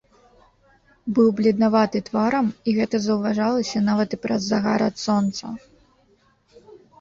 Быў бледнаваты тварам, і гэта заўважалася нават і праз загар ад сонца.